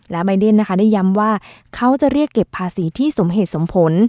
และใบเดนนะคะได้ย้ำว่าเขาจะเรียกเก็บภาษีที่สมเหตุสมผล